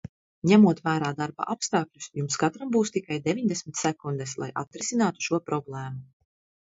Ņemot vērā darba apstākļus, jums katram būs tikai deviņdesmit sekundes, lai atrisinātu šo problēmu.